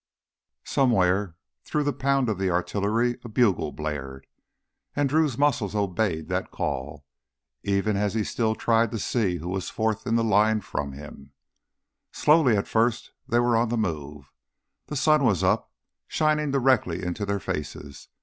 Somewhere, through the pound of the artillery, a bugle blared. And Drew's muscles obeyed that call, even as he still tried to see who was fourth in line from him. Slowly at first, they were on the move. The sun was up, shining directly into their faces.